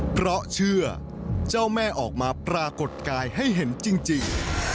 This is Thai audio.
เพราะเชื่อเจ้าแม่ออกมาปรากฏกายให้เห็นจริง